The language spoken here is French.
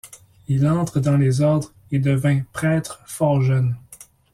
Il entre dans les ordres et devint prêtre fort jeune.